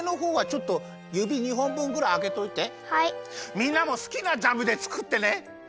みんなもすきなジャムでつくってね！